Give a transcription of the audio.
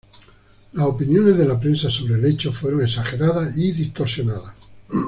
Las opiniones de la prensa sobre el hecho fueron exageradas y distorsionadas.